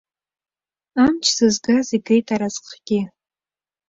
Амч зызгаз, игеит аразҟгьы!